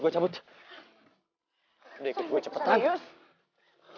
lo kalo beritat segitu sih